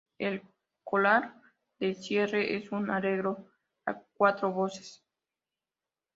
El coral de cierre es un arreglo a cuatro voces.